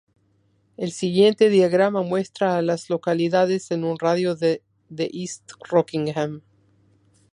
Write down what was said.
El siguiente diagrama muestra a las localidades en un radio de de East Rockingham.